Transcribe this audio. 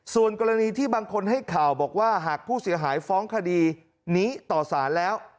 ส่วนกรณีที่บางคนให้ข่าวบอกว่าหากผู้เสียหายฟ้องคดีนี้ต่อสารแล้ว